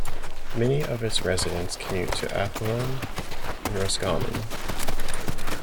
Many of its residents commute to Athlone and Roscommon.